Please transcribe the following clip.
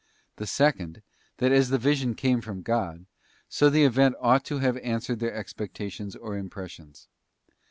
The second, that as the vision came from God, so the event ought to have answered their expectations or impressions.